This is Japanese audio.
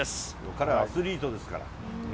彼はアスリートですから。